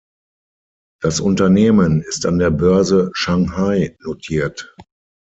Das Unternehmen ist an der Börse Shanghai notiert.